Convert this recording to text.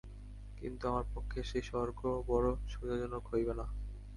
কিন্তু আমার পক্ষে সে-স্বর্গ বড় সুবিধাজনক হইবে না।